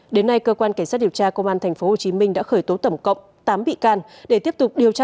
đến nay cơ quan cảnh sát điều tra công an tp hcm đã khởi tố tổng cộng tám bị can để tiếp tục điều tra